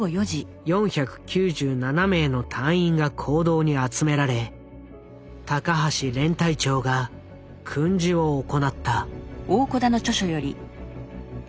４９７名の隊員が講堂に集められ高橋連隊長が訓示を行った。